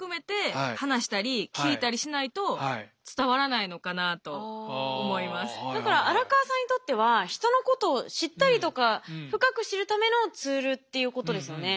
その相手のことをもっとちゃんと知りたいからだから荒川さんにとっては人のことを知ったりとか深く知るためのツールっていうことですよね。